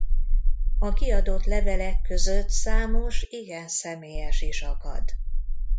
A kiadott levelek között számos igen személyes is akad.